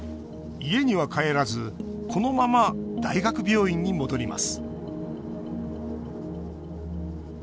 家には帰らずこのまま大学病院に戻ります